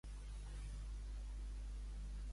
No tiris al foc sal, que eixiràs mal.